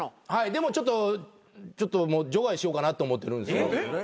でもちょっともう除外しようかなと思ってるんですよ。